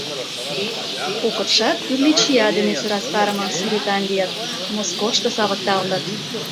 Кокытшат тӱрлӧ чия дене сӧрастарыме сӱретан лийыт, Москошто савыкталтыт.